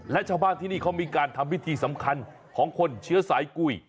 และชาวบ้านที่นี่เขามีการทำพิธีสำคัญของคนเชื้อสายกุ้ย